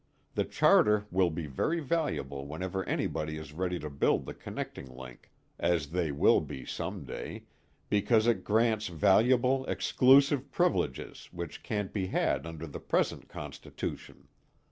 The charter will be very valuable whenever anybody is ready to build the connecting link, as they will be some day, because it grants valuable, exclusive privileges which can't be had under the present constitution.